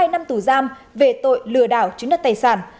một mươi hai năm tù giam về tội lừa đảo chuyến đất tài sản